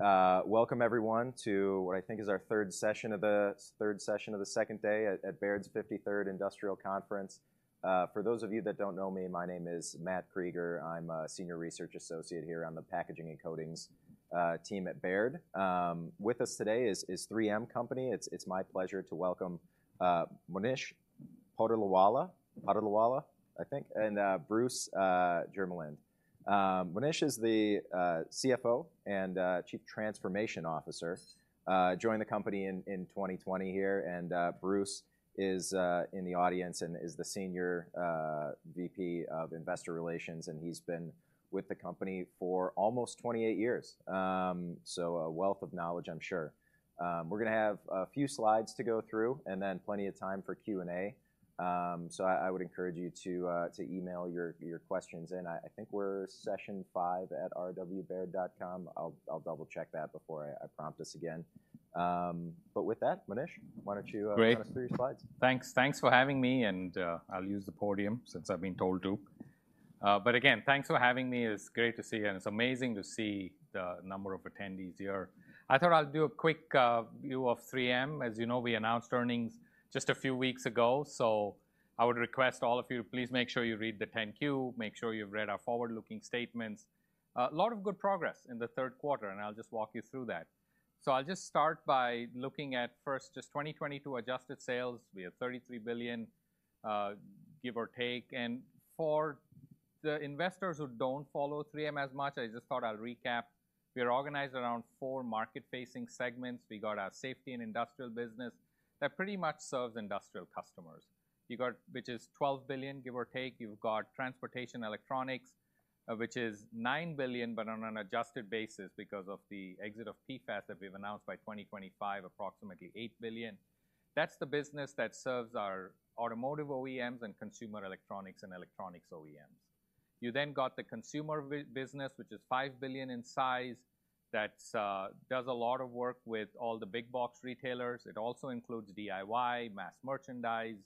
Right, welcome everyone to what I think is our third session of the second day at Baird's 53rd Industrial Conference. For those of you that don't know me, my name is Matt Krueger. I'm a Senior Research Associate here on the Packaging and Coatings team at Baird. With us today is 3M Company. It's my pleasure to welcome Monish Patolawala, I think, and Bruce Jermeland. Monish is the CFO and Chief Transformation Officer, joined the company in 2020 here, and Bruce is in the audience and is the Senior VP of Investor Relations, and he's been with the company for almost 28 years. So a wealth of knowledge, I'm sure. We're gonna have a few slides to go through and then plenty of time for Q&A. So I would encourage you to email your questions in. I think we're sessionfive@rwbaird.com. I'll double-check that before I prompt us again. But with that, Monish, why don't you- Great. Run us through your slides? Thanks. Thanks for having me, and, I'll use the podium since I've been told to. But again, thanks for having me. It's great to see you, and it's amazing to see the number of attendees here. I thought I'll do a quick view of 3M. As you know, we announced earnings just a few weeks ago, so I would request all of you, please make sure you read the 10-Q, make sure you've read our forward-looking statements. A lot of good progress in the third quarter, and I'll just walk you through that. So I'll just start by looking at first, just 2022 adjusted sales. We have $33 billion, give or take. And for the investors who don't follow 3M as much, I just thought I'll recap. We are organized around four market-facing segments. We got our Safety and Industrial business that pretty much serves industrial customers. You got, which is $12 billion, give or take. You've got Transportation and Electronics, which is $9 billion, but on an adjusted basis because of the exit of PFAS that we've announced by 2025, approximately $8 billion. That's the business that serves our automotive OEMs and Consumer electronics and electronics OEMs. You then got the Consumer business, which is $5 billion in size, that's does a lot of work with all the big-box retailers. It also includes DIY, mass merchandise,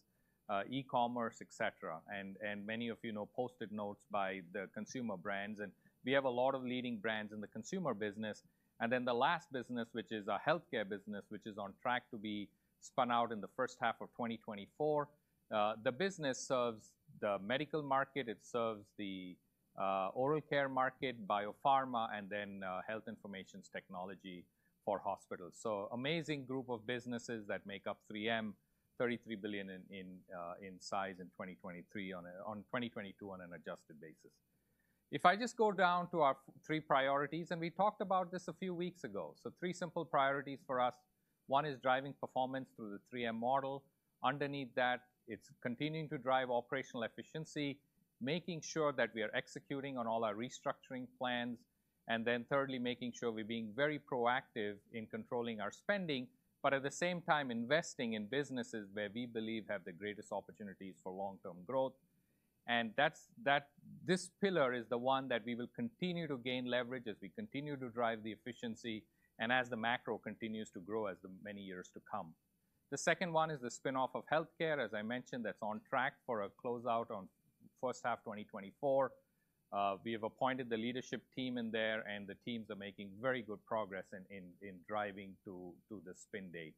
e-commerce, etc. And many of you know, Post-it Notes by the Consumer brands, and we have a lot of leading brands in the Consumer business. And then the last business, which is our Health Care business, which is on track to be spun out in the first half of 2024. The business serves the medical market, it serves the oral care market, biopharma, and then health information technology for hospitals. So amazing group of businesses that make up 3M, $33 billion in size in 2023 on a 2022 adjusted basis. If I just go down to our three priorities, and we talked about this a few weeks ago, so three simple priorities for us. One is driving performance through the 3M model. Underneath that, it's continuing to drive operational efficiency, making sure that we are executing on all our restructuring plans, and then thirdly, making sure we're being very proactive in controlling our spending, but at the same time, investing in businesses where we believe have the greatest opportunities for long-term growth. That's this pillar is the one that we will continue to gain leverage as we continue to drive the efficiency and as the macro continues to grow as the many years to come. The second one is the spin-off of Health Care. As I mentioned, that's on track for a closeout on first half 2024. We have appointed the leadership team in there, and the teams are making very good progress in driving to the spin date.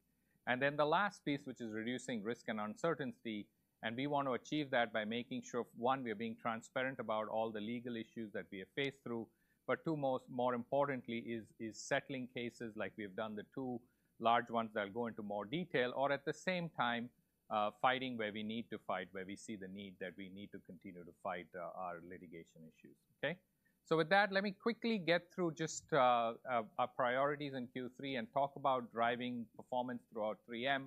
And then the last piece, which is reducing risk and uncertainty, and we want to achieve that by making sure, one, we are being transparent about all the legal issues that we have faced through. But two, most importantly, is settling cases like we have done the two large ones that I'll go into more detail, or at the same time, fighting where we need to fight, where we see the need that we need to continue to fight our litigation issues, okay? So with that, let me quickly get through just our priorities in Q3 and talk about driving performance throughout 3M.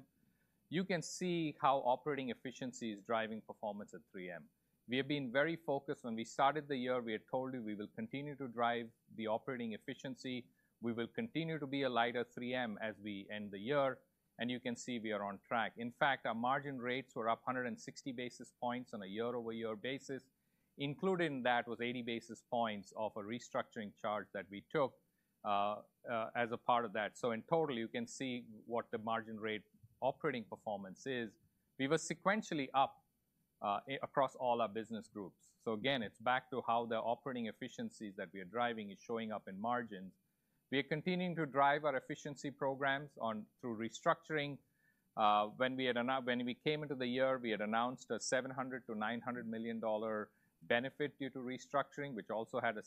You can see how operating efficiency is driving performance at 3M. We have been very focused. When we started the year, we had told you we will continue to drive the operating efficiency. We will continue to be a lighter 3M as we end the year, and you can see we are on track. In fact, our margin rates were up 160 basis points on a year-over-year basis, including that with 80 basis points of a restructuring charge that we took as a part of that. So in total, you can see what the margin rate operating performance is. We were sequentially up across all our business groups. So again, it's back to how the operating efficiencies that we are driving is showing up in margins. We are continuing to drive our efficiency programs on through restructuring. When we came into the year, we had announced a $700 million-$900 million benefit due to restructuring, which also had a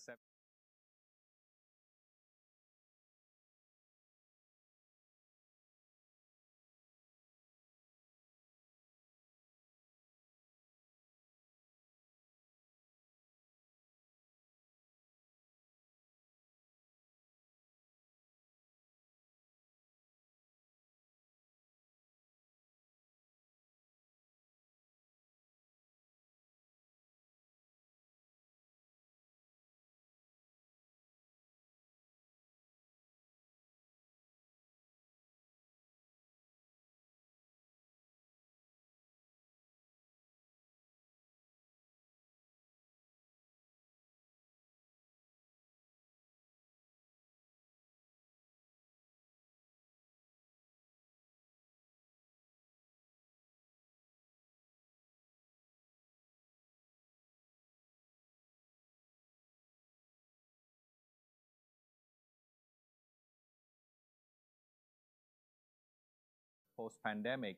se-... Post-pandemic,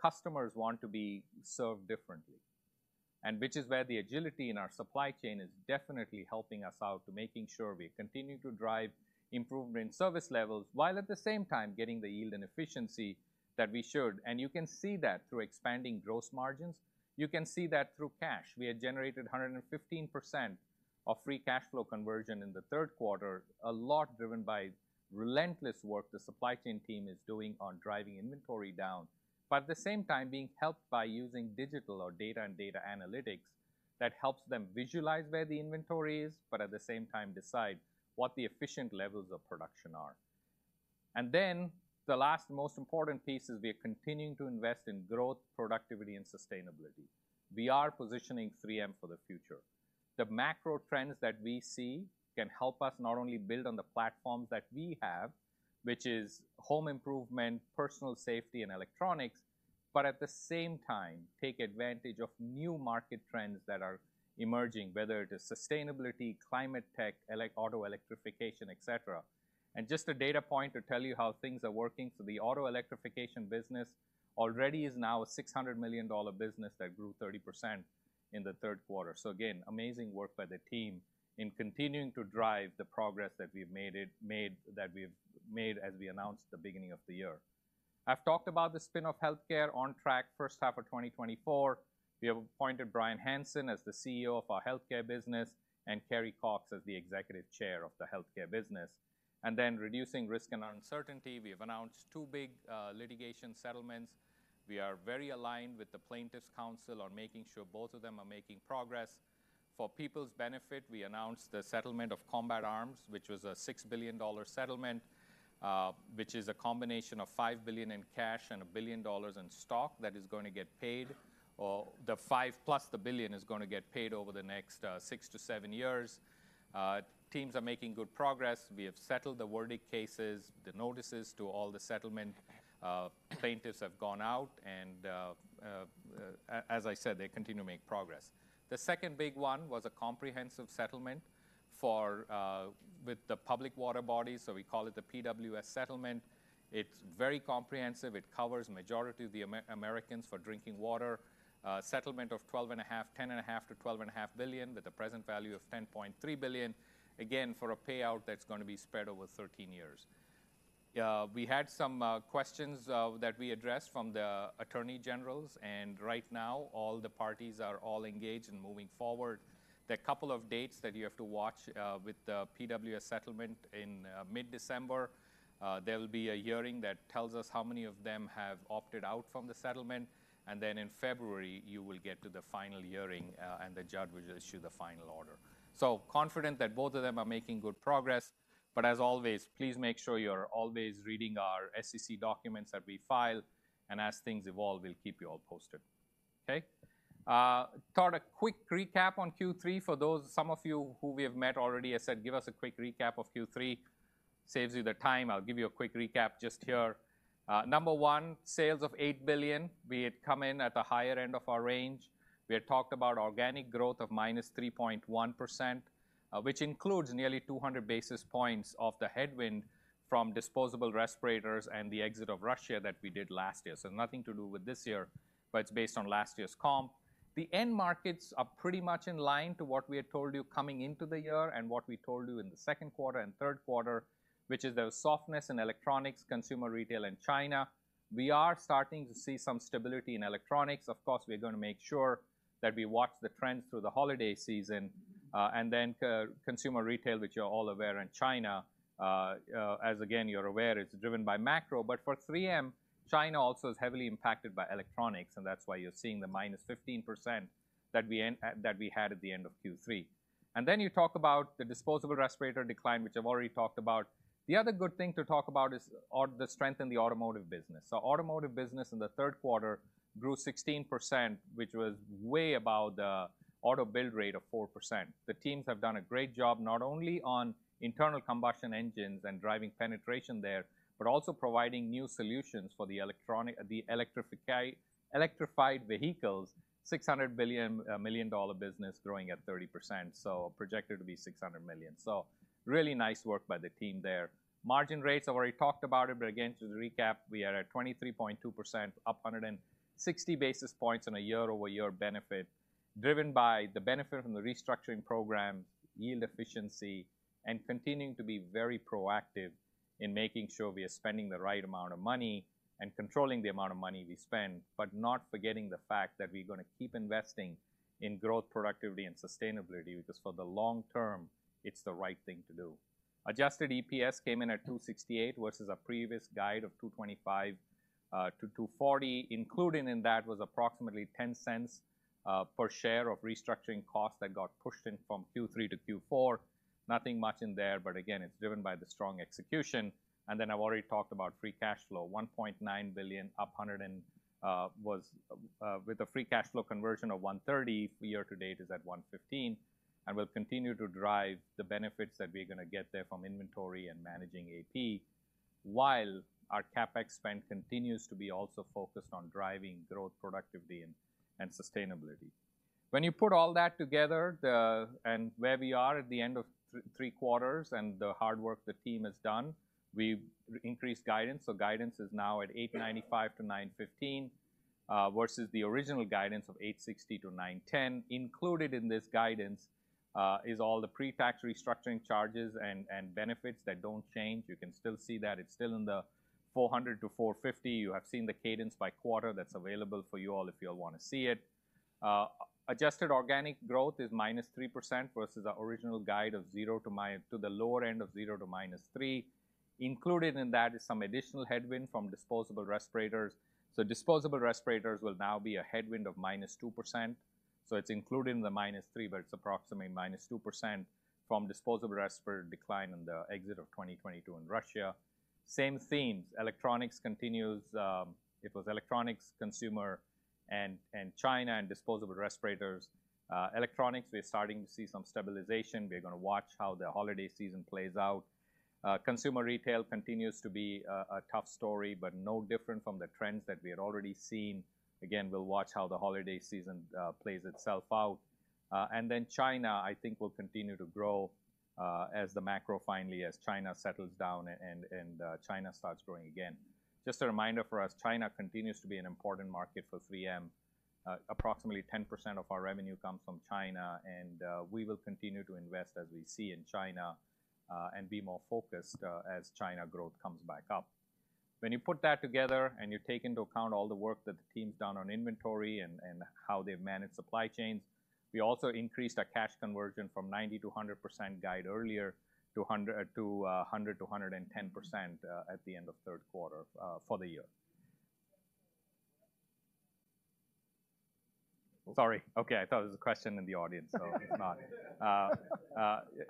customers want to be served differently, and which is where the agility in our supply chain is definitely helping us out to making sure we continue to drive improvement in service levels, while at the same time getting the yield and efficiency that we should. And you can see that through expanding gross margins. You can see that through cash. We had generated 115% of free cash flow conversion in the third quarter, a lot driven by relentless work the supply chain team is doing on driving inventory down, but at the same time, being helped by using digital or data and data analytics that helps them visualize where the inventory is, but at the same time decide what the efficient levels of production are. And then, the last most important piece is we are continuing to invest in growth, productivity, and sustainability. We are positioning 3M for the future. The macro trends that we see can help us not only build on the platforms that we have, which is home improvement, personal safety, and electronics, but at the same time, take advantage of new market trends that are emerging, whether it is sustainability, climate tech, Auto Electrification, etc. Just a data point to tell you how things are working: so the Auto Electrification business already is now a $600 million business that grew 30% in the third quarter. So again, amazing work by the team in continuing to drive the progress that we've made as we announced at the beginning of the year. I've talked about the spin-off Health Care on track first half of 2024. We have appointed Bryan Hanson as the CEO of our Health Care business and Carrie Cox as the executive chair of the Health Care business. Then reducing risk and uncertainty, we have announced two big litigation settlements. We are very aligned with the plaintiffs' counsel on making sure both of them are making progress. For people's benefit, we announced the settlement of Combat Arms, which was a $6 billion settlement, which is a combination of $5 billion in cash and $1 billion in stock that is going to get paid, or the $5+ billion the $1 billion is gonna get paid over the next six to seven years. Teams are making good progress. We have settled the PWS cases, the notices to all the settlement plaintiffs have gone out, and as I said, they continue to make progress. The second big one was a comprehensive settlement for, with the public water body, so we call it the PWS settlement. It's very comprehensive. It covers majority of the Americans for drinking water. Settlement of $10.5 billion-$12.5 billion, with a present value of $10.3 billion, again, for a payout that's gonna be spread over 13 years. We had some questions that we addressed from the attorney generals, and right now, all the parties are all engaged and moving forward. There are a couple of dates that you have to watch with the PWS settlement. In mid-December, there will be a hearing that tells us how many of them have opted out from the settlement, and then in February, you will get to the final hearing, and the judge will issue the final order. So confident that both of them are making good progress, but as always, please make sure you're always reading our SEC documents that we file, and as things evolve, we'll keep you all posted. Okay? Thought a quick recap on Q3 for those, some of you who we have met already, I said, "Give us a quick recap of Q3." Saves you the time. I'll give you a quick recap just here. Number one, sales of $8 billion. We had come in at the higher end of our range. We had talked about organic growth of -3.1%, which includes nearly 200 basis points of the headwind from disposable respirators and the exit of Russia that we did last year. So nothing to do with this year, but it's based on last year's comp. The end markets are pretty much in line to what we had told you coming into the year and what we told you in the second quarter and third quarter, which is the softness in electronics, Consumer retail in China. We are starting to see some stability in electronics. Of course, we're gonna make sure that we watch the trends through the holiday season, and then, Consumer retail, which you're all aware in China, as again, you're aware, it's driven by macro. But for 3M, China also is heavily impacted by electronics, and that's why you're seeing the -15% that we had at the end of Q3. And then you talk about the disposable respirator decline, which I've already talked about. The other good thing to talk about is or the strength in the automotive business. So automotive business in the third quarter grew 16%, which was way above the auto build rate of 4%. The teams have done a great job, not only on internal combustion engines and driving penetration there, but also providing new solutions for the electrified vehicles, $600 million business growing at 30%, so projected to be $600 million. So really nice work by the team there. Margin rates, I've already talked about it, but again, to recap, we are at 23.2%, up 160 basis points on a year-over-year benefit, driven by the benefit from the restructuring program, yield efficiency, and continuing to be very proactive in making sure we are spending the right amount of money and controlling the amount of money we spend, but not forgetting the fact that we're gonna keep investing in growth, productivity, and sustainability, because for the long term, it's the right thing to do. Adjusted EPS came in at $2.68 versus a previous guide of $2.25-$2.40. Included in that was approximately $0.10 per share of restructuring costs that got pushed in from Q3 to Q4. Nothing much in there, but again, it's driven by the strong execution. I've already talked about free cash flow, $1.9 billion, up 100% with a free cash flow conversion of 130%, year-to-date is at 115%, and we'll continue to drive the benefits that we're gonna get therefrom inventory and managing AP, while our CapEx spend continues to be also focused on driving growth, productivity, and sustainability. When you put all that together, where we are at the end of the three quarters and the hard work the team has done, we've increased guidance. Guidance is now at $8.95-$9.15 versus the original guidance of $8.60-$9.10. Included in this guidance is all the pre-tax restructuring charges and benefits that don't change. You can still see that. It's still in the $400-$450. You have seen the cadence by quarter. That's available for you all if you'll wanna see it. Adjusted organic growth is -3% versus our original guide of 0% to the lower end of 0% to -3%. Included in that is some additional headwind from disposable respirators. So disposable respirators will now be a headwind of -2%, so it's included in the -3%, but it's approximately -2% from disposable respirator decline in the exit of 2022 in Russia. Same themes. Electronics continues. It was electronics, Consumer, and China and disposable respirators. Electronics, we're starting to see some stabilization. We're gonna watch how the holiday season plays out. Consumer retail continues to be a tough story, but no different from the trends that we had already seen. Again, we'll watch how the holiday season plays itself out. And then China, I think, will continue to grow as the macro finally as China settles down and China starts growing again. Just a reminder for us, China continues to be an important market for 3M. Approximately 10% of our revenue comes from China, and we will continue to invest as we see in China and be more focused as China growth comes back up. When you put that together and you take into account all the work that the team's done on inventory and how they've managed supply chains, we also increased our cash conversion from 90%-100% guide earlier to 100%-110% at the end of third quarter for the year. Sorry. Okay, I thought it was a question in the audience, so it's not.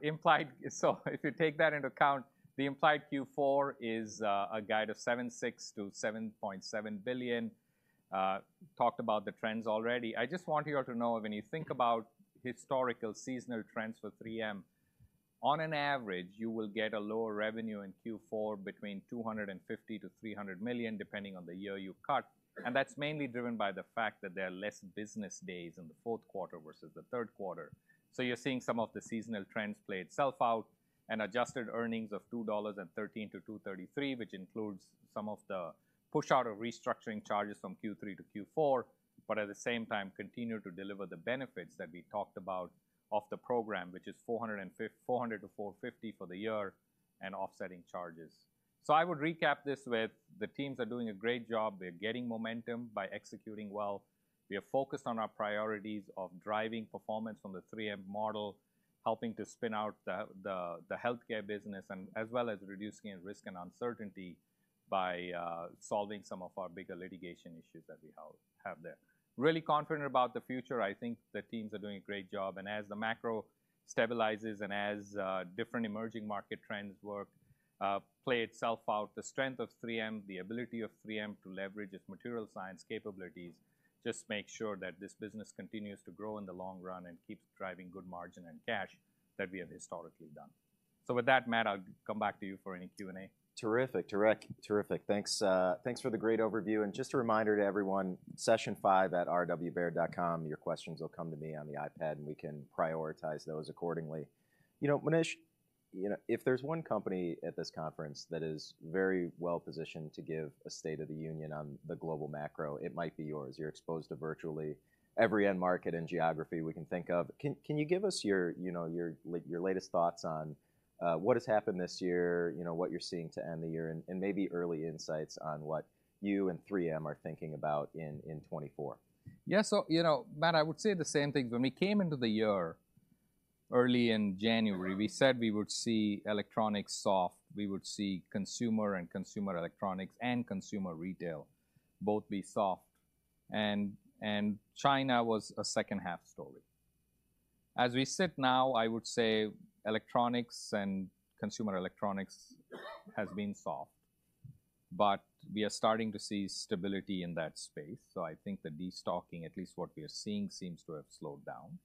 Implied-- So if you take that into account, the implied Q4 is a guide of $7.6 billion-$7.7 billion. Talked about the trends already. I just want you all to know when you think about historical seasonal trends for 3M, on an average, you will get a lower revenue in Q4 between $250 million-$300 million, depending on the year you cut, and that's mainly driven by the fact that there are less business days in the fourth quarter versus the third quarter. So you're seeing some of the seasonal trends play itself out, and adjusted earnings of $2.13-$2.33, which includes some of the pushout of restructuring charges from Q3 to Q4, but at the same time continue to deliver the benefits that we talked about of the program, which is $450-$400 to $450 for the year, and offsetting charges. So I would recap this with the teams are doing a great job. They're getting momentum by executing well. We are focused on our priorities of driving performance from the 3M model, helping to spin out the Health Care business and, as well as reducing risk and uncertainty by solving some of our bigger litigation issues that we have there. Really confident about the future. I think the teams are doing a great job, and as the macro stabilizes and as different emerging market trends work, play itself out, the strength of 3M, the ability of 3M to leverage its material science capabilities, just make sure that this business continues to grow in the long run and keeps driving good margin and cash that we have historically done. So with that, Matt, I'll come back to you for any Q&A. Terrific, terrific, terrific. Thanks, thanks for the great overview. Just a reminder to everyone, sessionfive@rwbaird.com. Your questions will come to me on the iPad, and we can prioritize those accordingly. You know, Monish, you know, if there's one company at this conference that is very well positioned to give a state of the union on the global macro, it might be yours. You're exposed to virtually every end market and geography we can think of. Can, can you give us your, you know, your, your latest thoughts on, what has happened this year, you know, what you're seeing to end the year and, and maybe early insights on what you and 3M are thinking about in, in 2024? Yeah. So, you know, Matt, I would say the same thing. When we came into the year, early in January, we said we would see electronics soft, we would see Consumer and Consumer electronics and Consumer retail both be soft, and, and China was a second half story. As we sit now, I would say electronics and Consumer electronics has been soft, but we are starting to see stability in that space. So I think the destocking, at least what we are seeing, seems to have slowed down.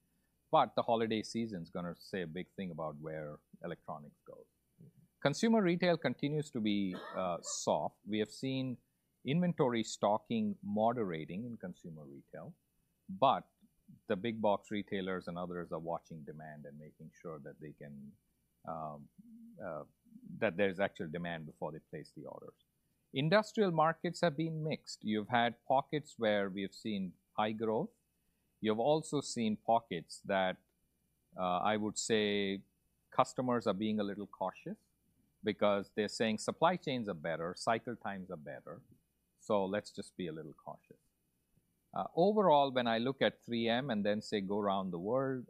But the holiday season's gonna say a big thing about where electronics goes. Consumer retail continues to be soft. We have seen inventory stocking moderating in Consumer retail, but the big box retailers and others are watching demand and making sure that they can, that there's actual demand before they place the orders. Industrial markets have been mixed. You've had pockets where we have seen high growth. You have also seen pockets that, I would say customers are being a little cautious because they're saying supply chains are better, cycle times are better, so let's just be a little cautious. Overall, when I look at 3M and then say, go round the world,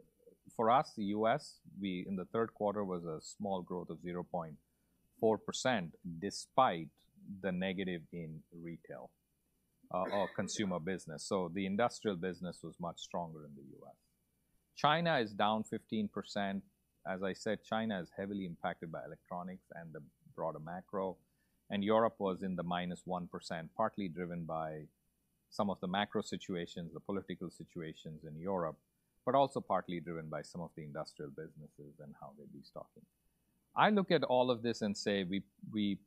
for us, the U.S., we, in the third quarter, was a small growth of 0.4%, despite the negative in retail, or Consumer business. So the industrial business was much stronger in the U.S. China is down 15%. As I said, China is heavily impacted by electronics and the broader macro, and Europe was in the -1%, partly driven by some of the macro situations, the political situations in Europe, but also partly driven by some of the industrial businesses and how they'll be stocking. I look at all of this and say we, we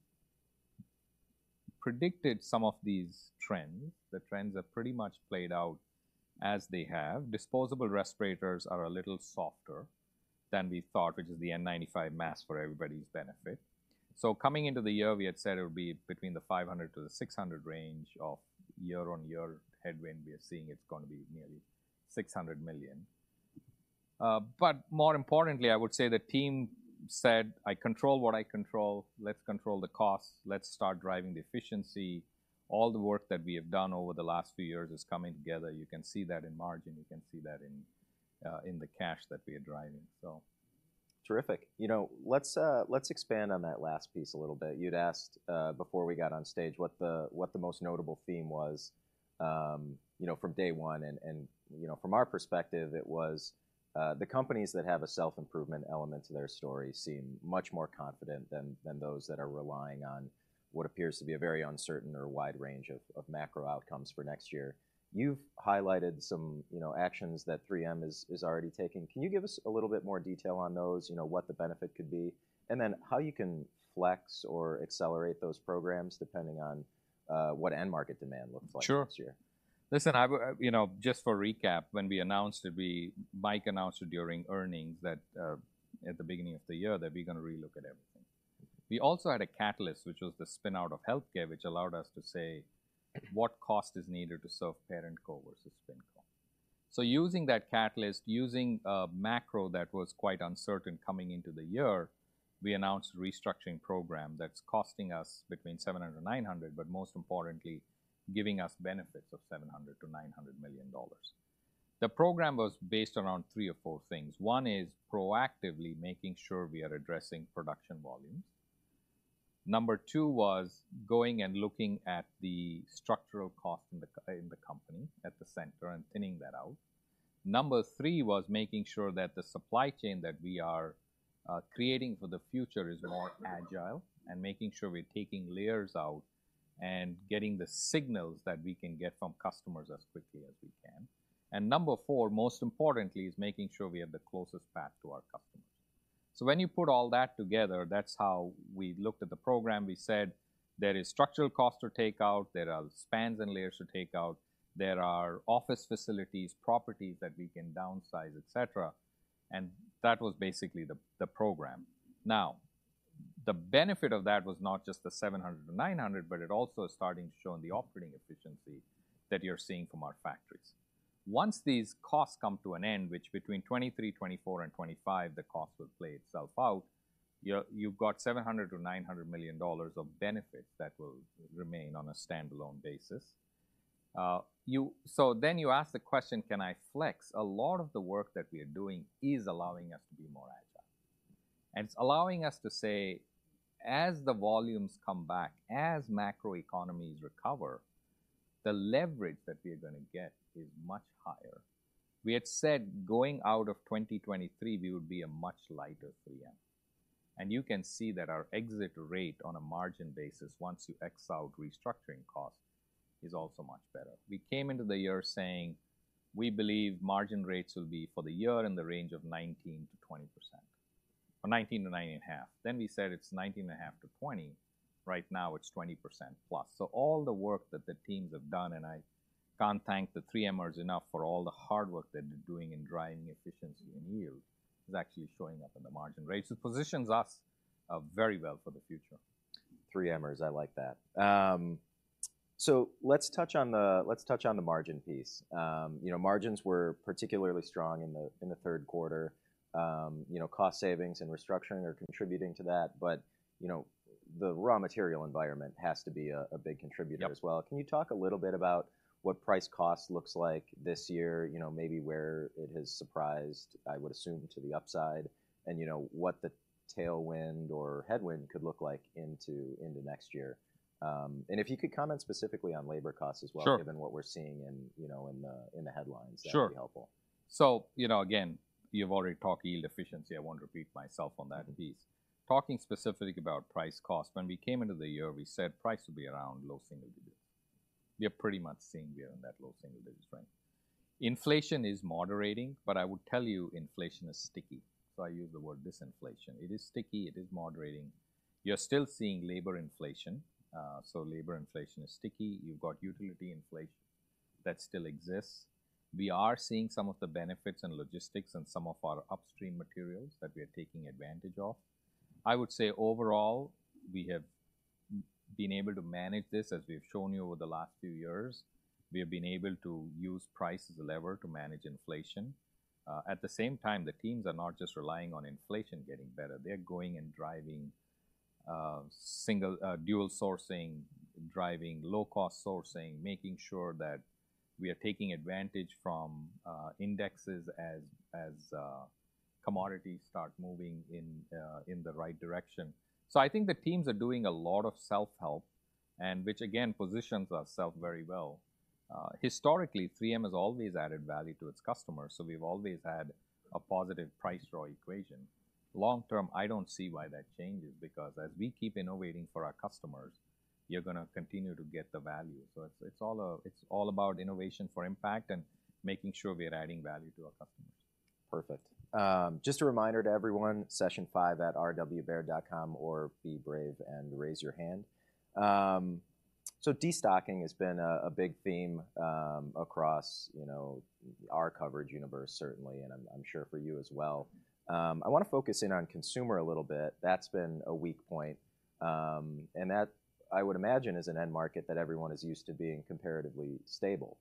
predicted some of these trends. The trends have pretty much played out as they have. Disposable respirators are a little softer than we thought, which is the N95 mask for everybody's benefit. So coming into the year, we had said it would be between the $500 million-$600 million range of year-on-year headwind. We are seeing it's gonna be nearly $600 million. But more importantly, I would say the team said, "I control what I control. Let's control the costs. Let's start driving the efficiency." All the work that we have done over the last few years is coming together. You can see that in margin, you can see that in the cash that we are driving. So- Terrific. You know, let's expand on that last piece a little bit. You'd asked before we got on stage what the most notable theme was, you know, from day one, and you know, from our perspective, it was the companies that have a self-improvement element to their story seem much more confident than those that are relying on what appears to be a very uncertain or wide range of macro outcomes for next year. You've highlighted some, you know, actions that 3M is already taking. Can you give us a little bit more detail on those? You know, what the benefit could be, and then how you can flex or accelerate those programs depending on what end market demand looks like this year? Sure. Listen, I would, you know, just for recap, when we announced it, we, Mike announced it during earnings that, at the beginning of the year, that we're gonna relook at everything. We also had a catalyst, which was the spinout of Health Care, which allowed us to say, "What cost is needed to serve ParentCo versus SpinCo?" So using that catalyst, using macro that was quite uncertain coming into the year, we announced a restructuring program that's costing us between $700 million-$900 million, but most importantly, giving us benefits of $700 million-$900 million. The program was based around three or four things. One is proactively making sure we are addressing production volumes. Number two was going and looking at the structural cost in the company, at the center, and thinning that out. Number three was making sure that the supply chain that we are creating for the future is more agile, and making sure we're taking layers out and getting the signals that we can get from customers as quickly as we can. And number four, most importantly, is making sure we have the closest path to our customers. So when you put all that together, that's how we looked at the program. We said, "There is structural costs to take out, there are spans and layers to take out. There are office facilities, properties that we can downsize, et cetera," and that was basically the program. Now, the benefit of that was not just the $700 million-$900 million, but it also is starting to show in the operating efficiency that you're seeing from our factories. Once these costs come to an end, which between 2023, 2024, and 2025, the cost will play itself out, you've got $700 million-$900 million of benefits that will remain on a standalone basis. So then you ask the question: Can I flex? A lot of the work that we are doing is allowing us to be more agile, and it's allowing us to say, "As the volumes come back, as macroeconomies recover, the leverage that we are gonna get is much higher." We had said going out of 2023, we would be a much lighter 3M. And you can see that our exit rate on a margin basis, once you X out restructuring costs, is also much better. We came into the year saying, "We believe margin rates will be, for the year, in the range of 19%-20%, or 19%-19.5%." Then we said, "It's 19.5-20%." Right now, it's 20%+. So all the work that the teams have done, and I can't thank the 3Mers enough for all the hard work that they're doing in driving efficiency and yield, is actually showing up in the margin rates. It positions us very well for the future. 3Mers, I like that. So let's touch on the margin piece. You know, margins were particularly strong in the third quarter. You know, cost savings and restructuring are contributing to that, but, you know, the raw material environment has to be a big contributor as well. Yep. Can you talk a little bit about what price cost looks like this year? You know, maybe where it has surprised, I would assume, to the upside, and, you know, what the tailwind or headwind could look like into, into next year. And if you could comment specifically on labor costs as well- Sure... given what we're seeing in, you know, the headlines- Sure... that would be helpful. So, you know, again, you've already talked yield efficiency. I won't repeat myself on that piece. Talking specifically about price cost, when we came into the year, we said price will be around low single digits. We are pretty much seeing we are in that low single digits range. Inflation is moderating, but I would tell you inflation is sticky, so I use the word disinflation. It is sticky; it is moderating. You're still seeing labor inflation. So labor inflation is sticky. You've got utility inflation that still exists. We are seeing some of the benefits in logistics and some of our upstream materials that we are taking advantage of. I would say overall, we have been able to manage this, as we've shown you over the last few years. We have been able to use price as a lever to manage inflation. At the same time, the teams are not just relying on inflation getting better. They're going and driving single, dual sourcing, driving low-cost sourcing, making sure that we are taking advantage from indexes as, as, commodities start moving in the right direction. So I think the teams are doing a lot of self-help, and which again, positions ourselves very well. Historically, 3M has always added value to its customers, so we've always had a positive price-raw equation. Long term, I don't see why that changes, because as we keep innovating for our customers, you're gonna continue to get the value. So it's, it's all, it's all about innovation for impact and making sure we are adding value to our customers. Perfect. Just a reminder to everyone, sessionfive@rwbaird.com or be brave and raise your hand. So destocking has been a big theme across, you know, our coverage universe, certainly, and I'm sure for you as well. I wanna focus in on Consumer a little bit. That's been a weak point, and that, I would imagine, is an end market that everyone is used to being comparatively stable.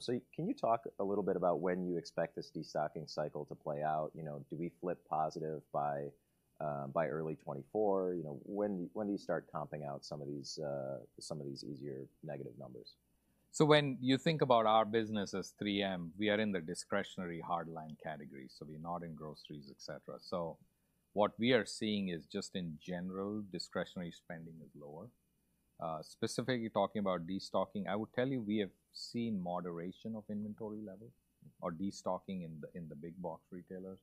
So can you talk a little bit about when you expect this destocking cycle to play out? You know, do we flip positive by early 2024? You know, when do you start comping out some of these easier negative numbers? So when you think about our business as 3M, we are in the discretionary hard line category, so we are not in groceries, et cetera. So what we are seeing is, just in general, discretionary spending is lower. Specifically talking about destocking, I would tell you, we have seen moderation of inventory levels or destocking in the, in the big box retailers.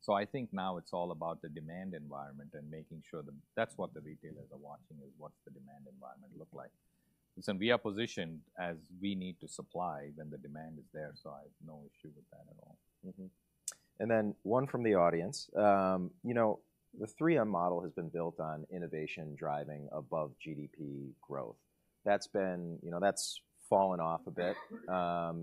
So I think now it's all about the demand environment and making sure that... That's what the retailers are watching, is what's the demand environment look like? So we are positioned as we need to supply when the demand is there, so I have no issue with that at all. Mm-hmm. And then one from the audience: You know, the 3M model has been built on innovation driving above GDP growth. That's been... You know, that's fallen off a bit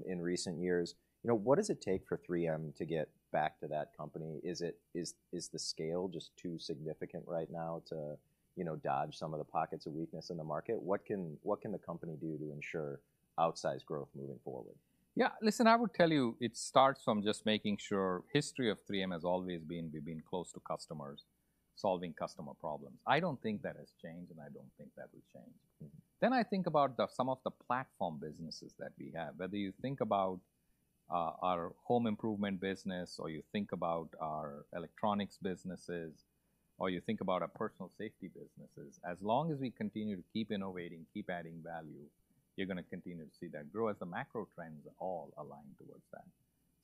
in recent years. You know, what does it take for 3M to get back to that company? Is it- is the scale just too significant right now to, you know, dodge some of the pockets of weakness in the market? What can the company do to ensure outsized growth moving forward? Yeah. Listen, I would tell you, it starts from just making sure... History of 3M has always been we've been close to customers, solving customer problems. I don't think that has changed, and I don't think that will change. Mm-hmm. Then I think about some of the platform businesses that we have. Whether you think about our home improvement business, or you think about our electronics businesses, or you think about our personal safety businesses, as long as we continue to keep innovating, keep adding value, you're gonna continue to see that grow as the macro trends all align towards that.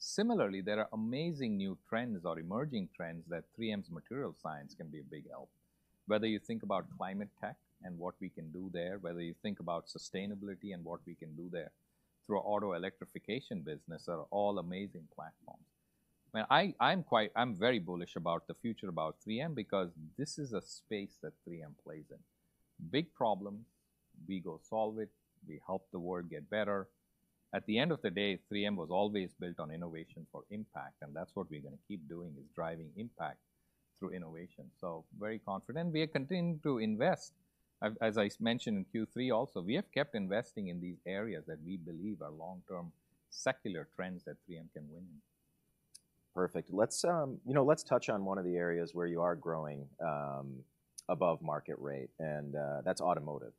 Similarly, there are amazing new trends or emerging trends that 3M's material science can be a big help. Whether you think about climate tech and what we can do there, whether you think about sustainability and what we can do there, through our Auto Electrification business, are all amazing platforms. I mean, I, I'm quite... I'm very bullish about the future about 3M because this is a space that 3M plays in. Big problems, we go solve it. We help the world get better. At the end of the day, 3M was always built on innovation for impact, and that's what we're gonna keep doing, is driving impact through innovation. So very confident. We are continuing to invest. As I mentioned in Q3 also, we have kept investing in these areas that we believe are long-term secular trends that 3M can win in. Perfect. Let's, you know, let's touch on one of the areas where you are growing above market rate, and that's automotive.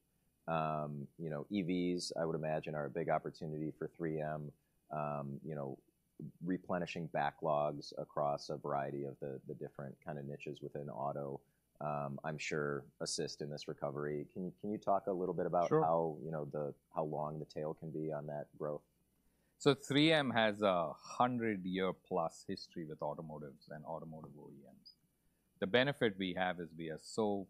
You know, EVs, I would imagine, are a big opportunity for 3M. You know, replenishing backlogs across a variety of the different kind of niches within auto, I'm sure, assist in this recovery. Can you, can you talk a little bit about- Sure... how, you know, how long the tail can be on that growth? 3M has a 100-year-plus history with automotives and automotive OEMs. The benefit we have is we are so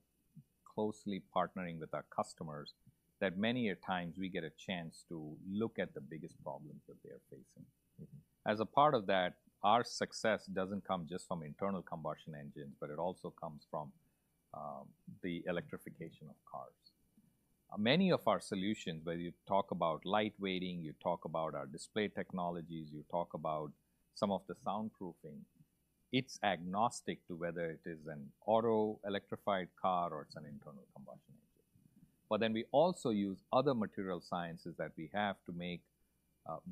closely partnering with our customers that many a times we get a chance to look at the biggest problems that they are facing. Mm-hmm. As a part of that, our success doesn't come just from internal combustion engines, but it also comes from the electrification of cars. Many of our solutions, whether you talk about light weighting, you talk about our display technologies, you talk about some of the soundproofing, it's agnostic to whether it is an auto electrified car or it's an internal combustion engine. But then we also use other material sciences that we have to make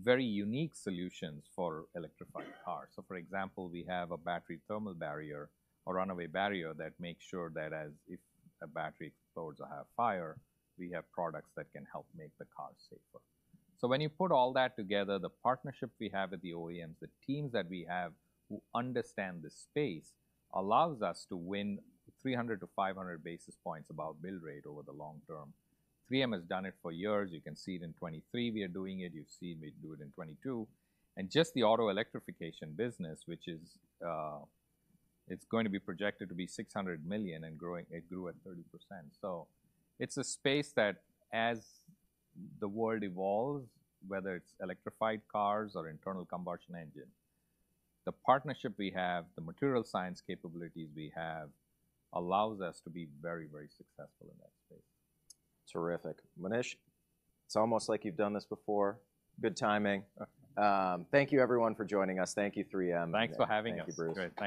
very unique solutions for electrified cars. So, for example, we have a battery thermal barrier or runaway barrier that makes sure that if a battery explodes or have fire, we have products that can help make the car safer. So when you put all that together, the partnership we have with the OEMs, the teams that we have who understand the space, allows us to win 300-500 basis points above build rate over the long term. 3M has done it for years. You can see it in 2023, we are doing it. You've seen we do it in 2022. And just the Auto Electrification business, which is, it's going to be projected to be $600 million and growing - it grew at 30%. So it's a space that, as the world evolves, whether it's electrified cars or internal combustion engine, the partnership we have, the material science capabilities we have, allows us to be very, very successful in that space. Terrific. Monish, it's almost like you've done this before. Good timing. Thank you, everyone, for joining us. Thank you, 3M. Thanks for having us. Thank you, Bruce. Great. Thank you.